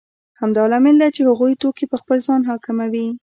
همدا لامل دی چې هغوی توکي په خپل ځان حاکموي